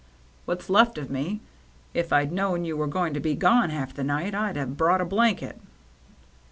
'* "What's left of me. If Fd known you were going to be gone half the night, I'd have brought a blanket."